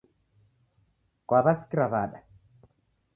Kwaw'asikira wada?